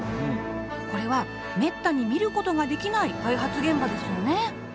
これはめったに見ることができない開発現場ですよね。